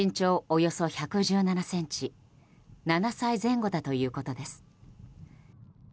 およそ１１７ｃｍ７歳前後だということです。